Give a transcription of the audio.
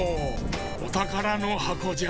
おたからのはこじゃ。